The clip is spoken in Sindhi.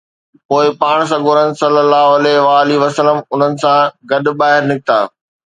پوءِ پاڻ سڳورن صلي الله عليه وآله وسلم انهن سان گڏ ٻاهر نڪتا